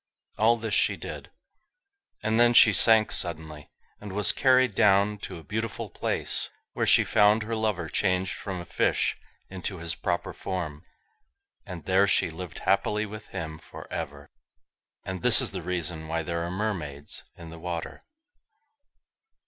All this she did, and then she sank suddenly, and was carried down to a beautiful place, where she found her lover changed from a fish into his proper form, and there she lived happily with him for ever. And this is the reason why there are mermaids in the water.